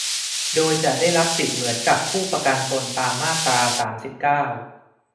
โดยจะได้รับสิทธิ์เหมือนกับผู้ประกันตน มาตรา สามสิบเก้า